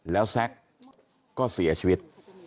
แล้วแซ็กก็เสียชีวิต